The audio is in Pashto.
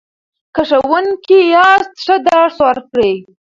که ښوونکی یاست ښه درس ورکړئ.